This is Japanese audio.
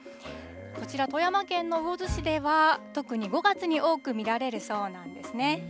こちら、富山県の魚津市では特に５月に多く見られるそうなんですね。